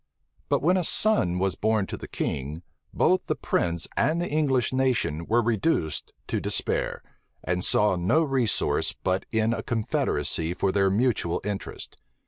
But when a son was born to the king, both the prince and the English nation were reduced to despair, and saw no resource but in a confederacy for their mutual interests.